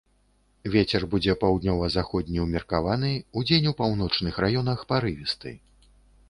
Вецер будзе паўднёва-заходні ўмеркаваны, удзень у паўночных раёнах парывісты.